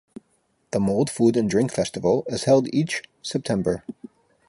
The Mold Food and Drink Festival is held each September.